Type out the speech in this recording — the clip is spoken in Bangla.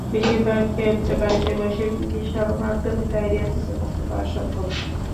বেশিরভাগ ক্ষেত্রে বাড়িতে বসেই চিকিৎসার মাধ্যমে ডায়রিয়া থেকে মুক্তি পাওয়া সম্ভব।